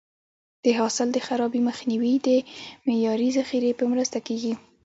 د حاصل د خرابي مخنیوی د معیاري ذخیرې په مرسته کېږي.